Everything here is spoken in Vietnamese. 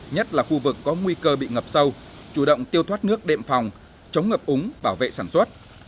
nhất là khu vực có nguy cơ bị ngập sâu chủ động tiêu thoát nước đệm phòng chống ngập úng bảo vệ sản xuất